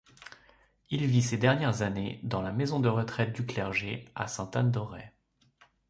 Il vit ses dernières années dans la maison de retraite du clergé à Sainte-Anne-d'Auray.